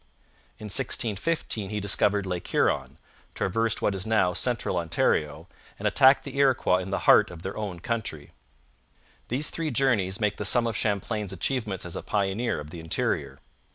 In 1615 he discovered Lake Huron, traversed what is now Central Ontario, and attacked the Iroquois in the heart of their own country. These three journeys make the sum of Champlain's achievements as a pioneer of the interior.